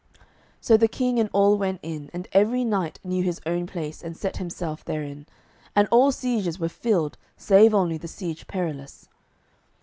So the King and all went in, and every knight knew his own place and set himself therein, and all sieges were filled save only the Siege Perilous.